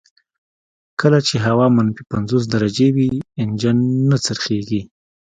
کله چې هوا منفي پنځوس درجې وي انجن نه څرخیږي